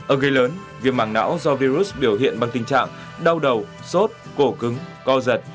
ở gây lớn viêm mạng não do virus biểu hiện bằng tình trạng đau đầu sốt cổ cứng co giật